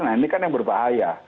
nah ini kan yang berbahaya